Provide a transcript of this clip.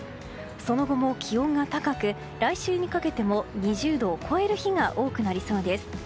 その後も気温が高く来週にかけても２０度を超える日が多くなりそうです。